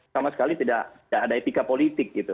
sama sekali tidak ada etika politik gitu